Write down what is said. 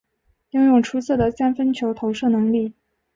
拥有出色的三分球投射能力。